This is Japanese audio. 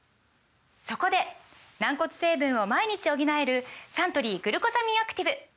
そこで軟骨成分を毎日補えるサントリー「グルコサミンアクティブ」！